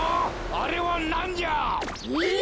あれはなんじゃ！？